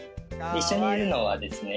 一緒にいるのはですね